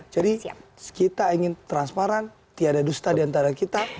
jadi kita ingin transparan tiada dusta diantara kita